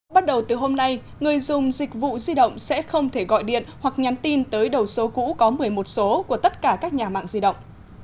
bắt đầu từ hôm nay người dùng dịch vụ di động sẽ không thể gọi điện hoặc nhắn tin tới đầu số cũ có một mươi một số của tất cả các nhà mạng di động